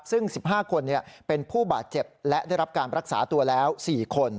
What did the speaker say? ซึ่ง๑๕คนเป็นผู้บาดเจ็บและได้รับการรักษาตัวแล้ว๔คน